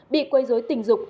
bị quây dối tình dục